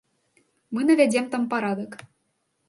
Мы навядзем там парадак.